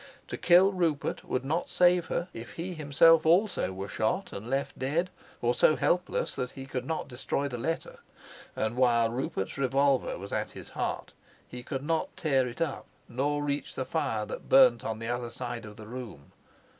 To kill Rupert would not save her if he himself also were shot and left dead, or so helpless that he could not destroy the letter; and while Rupert's revolver was at his heart he could not tear it up nor reach the fire that burnt on the other side of the room.